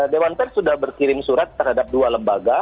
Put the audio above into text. dewan pers sudah berkirim surat terhadap dua lembaga